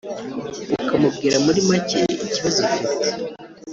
ukamubwira muri make ikibazo ufite